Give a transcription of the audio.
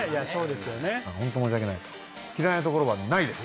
本当申し訳ない嫌いなところはないです。